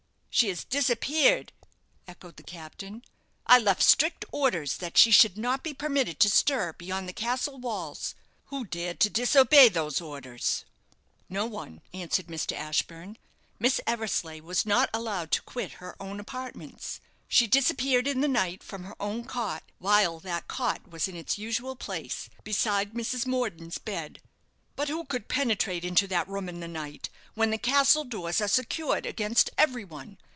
"She has disappeared!" echoed the captain. "I left strict orders that she should not be permitted to stir beyond the castle walls. Who dared to disobey those orders?" "No one," answered Mr. Ashburne. "Miss Eversleigh was not allowed to quit her own apartments. She disappeared in the night from her own cot, while that cot was in its usual place, beside Mrs. Morden's bed." "But who could penetrate into that room in the night, when the castle doors are secured against every one?